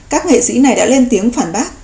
các nghệ sĩ này đã lên tiếng phản bác